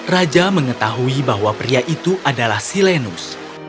raja mengetahui bahwa pria itu adalah silenus